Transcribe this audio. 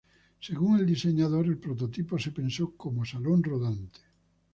Según el diseñador el prototipo se pensó como salón rodante.